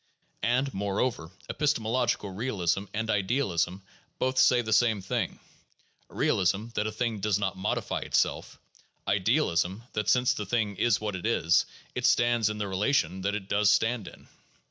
And, moreover, epistemological realism and idealism both say the same thing : realism that a thing does not modify itself, idealism that, since the thing is what it is, it stands in the relation that it does stand in.